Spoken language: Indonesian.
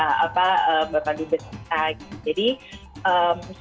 jadi so far sih belum selain dari kegiatan pendidikan online sih belum ada informasi lain ya